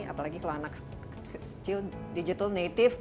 apalagi kalau anak kecil digital native